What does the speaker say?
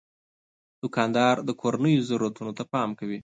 دوکاندار د کورنیو ضرورتونو ته پام کوي.